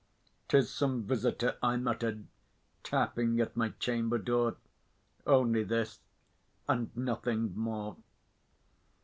"'Tis some visitor," I muttered, "tapping at my chamber door Only this, and nothing more."